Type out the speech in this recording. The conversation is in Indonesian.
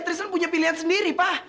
trison punya pilihan sendiri pak